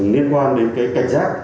nên quan đến cái cảnh sát